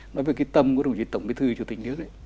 nói về cái tâm của đồng chí tổng bí thư chủ tịch nước ấy